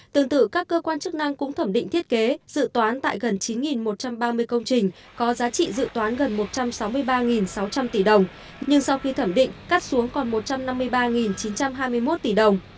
tương tự các cơ quan chức năng cũng thẩm định thiết kế dự toán tại gần chín một trăm ba mươi công trình có giá trị dự toán gần một trăm sáu mươi ba sáu trăm linh tỷ đồng nhưng sau khi thẩm định cắt xuống còn một trăm năm mươi ba chín trăm hai mươi một tỷ đồng